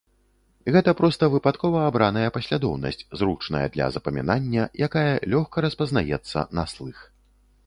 Гэта проста выпадкова абраная паслядоўнасць, зручная для запамінання, якая лёгка распазнаецца на слых.